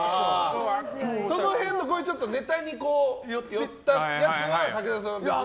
その辺のネタに寄ったやつは武田さんは別に。